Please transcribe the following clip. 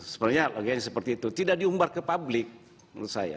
sebenarnya logikanya seperti itu tidak diumbar ke publik menurut saya